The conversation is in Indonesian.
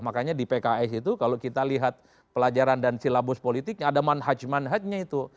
makanya di pks itu kalau kita lihat pelajaran dan silabus politiknya ada manhaj manhajnya itu